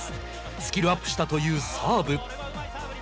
スキルアップしたというサーブ。